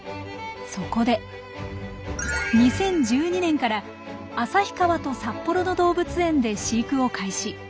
そこで２０１２年から旭川と札幌の動物園で飼育を開始。